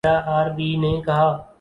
RRB نے کہا